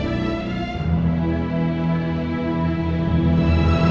nanti gue jalan